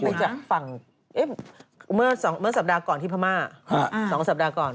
ไปจากฝั่งเมื่อสัปดาห์ก่อนที่พม่า๒สัปดาห์ก่อน